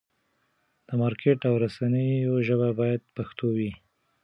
د مارکېټ او رسنیو ژبه باید پښتو وي.